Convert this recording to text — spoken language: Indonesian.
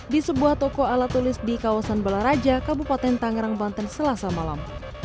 di sebuah toko ala tulis di kawasan balaraja kabupaten tangerang banten selasa malam